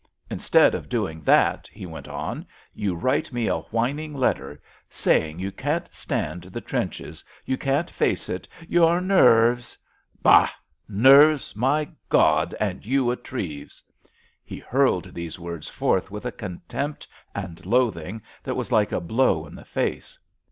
Instead of doing that," he went on, "you write me a whining letter, saying you can't stand the trenches, you can't face it, your nerves—bah! nerves, my God, and you a Treves!" He hurled these words forth with a contempt and loathing that was like a blow in the face.